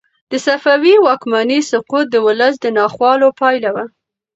د صفوي واکمنۍ سقوط د ولس د ناخوالو پایله وه.